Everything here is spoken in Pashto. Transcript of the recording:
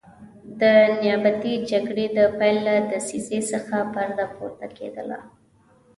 د نیابتي جګړې د پیل له دسیسې څخه پرده پورته کېدله.